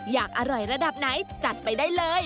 อยากอร่อยระดับไหนจัดไปได้เลย